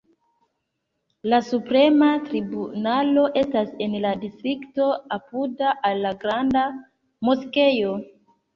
La Suprema Tribunalo estas en la distrikto apuda al la Granda Moskeo.